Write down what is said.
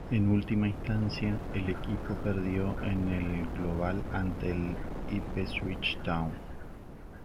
En última instancia, el equipo perdió en el global ante el Ipswich Town.